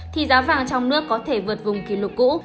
thì giá vàng trong nước có thể vượt vùng kỷ lục cũ